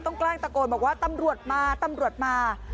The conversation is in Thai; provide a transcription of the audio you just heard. แกล้งตะโกนบอกว่าตำรวจมาตำรวจมา